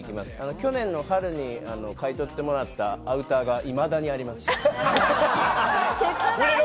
去年の春に買い取ってもらったアウターがいまだにあります。